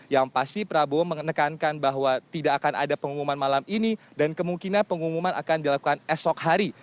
yang pasti prabowo menekankan bahwa tidak akan ada pengumuman malam ini dan kemungkinan pengumuman akan dilakukan esok hari